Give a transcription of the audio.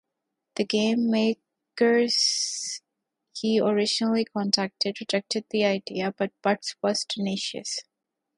The game makers he originally contacted rejected the idea, but Butts was tenacious.